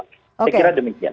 saya kira demikian